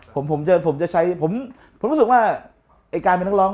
ผมยินเสียงผมฟัง